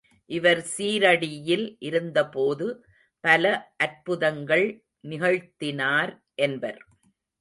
இவர் சீரடியில் இருந்தபோது பல அற்புதங்கள் நிகழ்த்தினார் என்பர்.